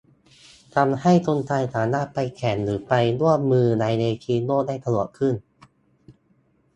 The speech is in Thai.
ทำให้คนไทยสามารถไปแข่งหรือไปร่วมมือในเวทีโลกได้สะดวกขึ้น